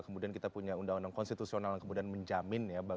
kemudian kita punya undang undang konstitusional yang kemudian menjamin ya